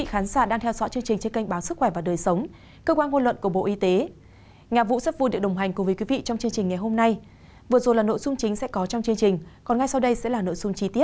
hãy đăng ký kênh để ủng hộ kênh của chúng mình nhé